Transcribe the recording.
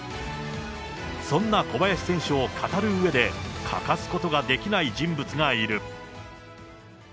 そんな小林選手を語るうえで欠かすことができない人物がいる。